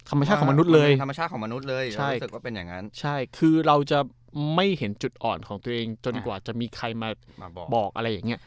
ธรรมชาติของมนุษย์เลยเราจะไม่เห็นจุดอ่อนของตัวเองจนกว่าจะมีใครมาบอกอะไรอย่างนี้